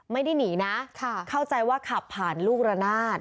ไม่ได้หนีนะเข้าใจว่าขับผ่านลูกระนาด